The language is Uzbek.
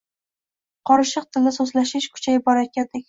Qorishiq tilda so‘zlashish kuchayib borayotgandek.